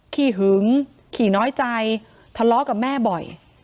ขีหึงขี่น้อยใจทะเลาะกับแม่บ่อย